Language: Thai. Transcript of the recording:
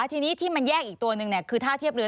ทีนี้ที่มันแยกอีกตัวหนึ่งคือท่าเทียบเรือ